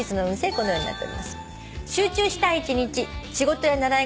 このようになっております。